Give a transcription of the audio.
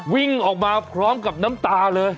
วิ่งออกมาพร้อมกับน้ำตาเลย